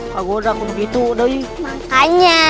kagoda ke gitu dahi